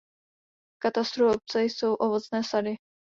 V katastru obce jsou ovocné sady.